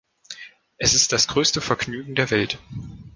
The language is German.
Es ist das größte Vergnügen der Welt!